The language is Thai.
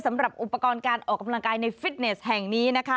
สำหรับอุปกรณ์การออกกำลังกายในฟิตเนสแห่งนี้นะคะ